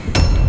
terus apa ini